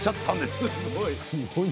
すごい。